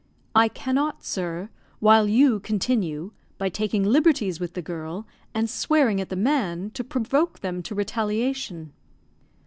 "I cannot, sir, while you continue, by taking liberties with the girl, and swearing at the man, to provoke them to retaliation."